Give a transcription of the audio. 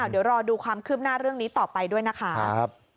เดี๋ยวรอดูความคืบหน้าเรื่องนี้ต่อไปด้วยนะคะ